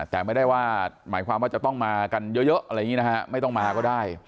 แต่ไม่ได้ว่าหมายความว่าจะต้องมากันเยอะอะไรอย่างนี้นะฮะไม่ต้องมาก็ได้